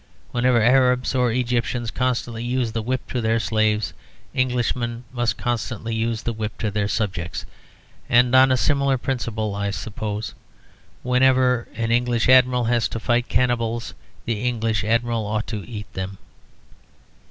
Whenever Arabs or Egyptians constantly use the whip to their slaves, Englishmen must use the whip to their subjects. And on a similar principle (I suppose), whenever an English Admiral has to fight cannibals the English Admiral ought to eat them.